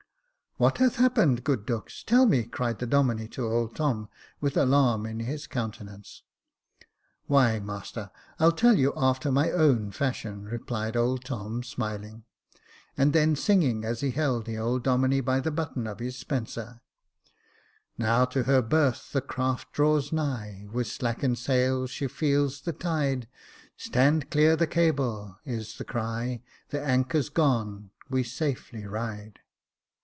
" What has happened, good Dux ? tell me," cried the Domine to old Tom, with alarm in his countenance. " Why, master, I'll tell you after my own fashion," replied old Tom, smiling ; and then singing, as he held the Domine by the button of his spencer — Jacob Faithful 105 « Now to her berth the craft draws nigh, With slacken'd sail, she feels the tide ;' Stand clear the cable I ' is the cry — The anchor's gone, we safely ride.